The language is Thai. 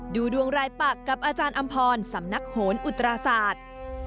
ดูดวงรายปักกับอาจารย์อำพรสำนักโหนอุตราศาสตร์